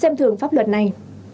phương pháp luật này